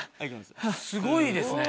すごいですね。